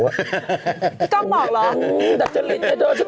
พี่ก้องบอกเหรออื้อดัจจริตช่างแบบ